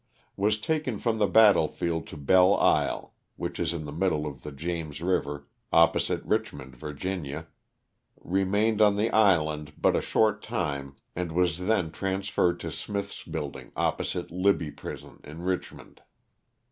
Was taken from the battle field to Belle Isle, which is in the middle of the James river, opposite Richmond, Va. ; remained on the island but a short time and was 74 LOSS OF THE SULTANA. then transferred to Smith's building, opposite Libby prison, in Richmond.